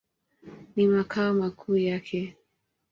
Ni makao makuu yake.